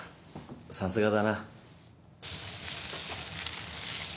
さすがだな。